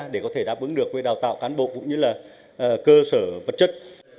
để có thể đáp ứng được với đào tạo cán bộ cũng như là cơ sở vật chất